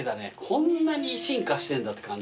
こんなに進化してんだって感じ。